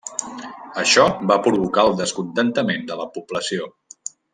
Això va provocar el descontentament de la població.